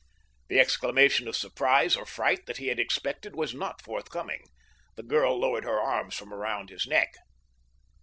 The exclamation of surprise or fright that he had expected was not forthcoming. The girl lowered her arms from about his neck.